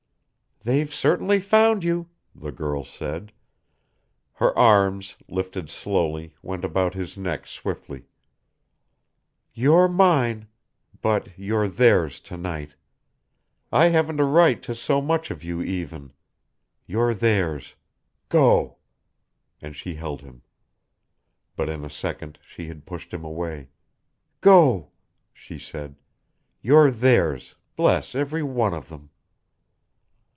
"They've certainly found you," the girl said. Her arms, lifted slowly, went about his neck swiftly. "You're mine but you're theirs to night. I haven't a right to so much of you even. You're theirs. Go." And she held him. But in a second she had pushed him away. "Go," she said. "You're theirs, bless every one of them."